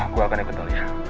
gue akan ikut lu ya